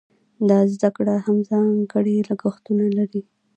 دا زده کړه هم ځانګړي لګښتونه لري.